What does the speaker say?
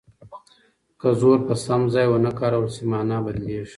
که زور په سم ځای ونه کارول شي مانا بدلیږي.